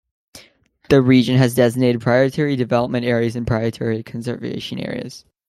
The region has designated Priority Development Areas and Priority Conservation Areas.